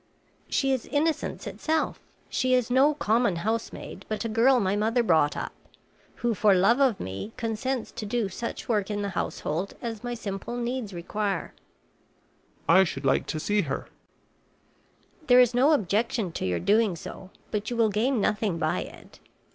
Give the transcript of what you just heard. "She is innocence itself. She is no common housemaid, but a girl my mother brought up, who for love of me consents to do such work in the household as my simple needs require." "I should like to see her." "There is no objection to your doing so; but you will gain nothing by it.